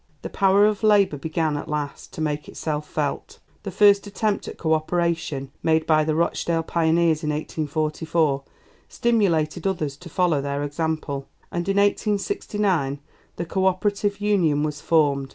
The power of Labour began, at last, to make itself felt. The first attempt at co operation made by the Rochdale Pioneers in 1844 stimulated others to follow their example, and in 1869 the Co operative Union was formed.